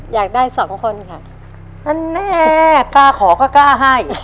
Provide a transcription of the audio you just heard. อยากได้สองคนค่ะนั่นแน่กล้าขอก็กล้าให้